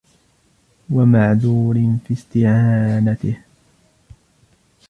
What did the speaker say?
وَمَعْذُورٌ فِي اسْتِعَانَتِهِ